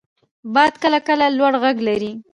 • باد کله کله لوړ ږغ لري.